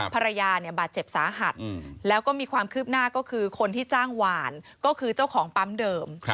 ภรรยาเนี่ยบาดเจ็บสาหัสแล้วก็มีความคืบหน้าก็คือคนที่จ้างหวานก็คือเจ้าของปั๊มเดิม